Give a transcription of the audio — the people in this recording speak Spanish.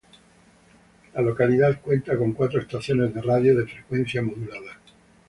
La localidad cuenta con cuatro Estaciones de Radio de frecuencia modulada.